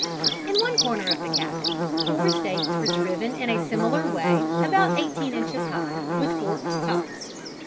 In one corner of the cabin, four stakes were driven in a similar way, about eighteen inches high, with forked tops.